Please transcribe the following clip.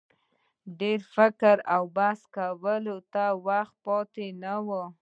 ډېر فکر او بحث کولو ته وخت پاته نه وو.